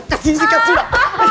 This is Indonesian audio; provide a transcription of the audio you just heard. kasih sikat sudah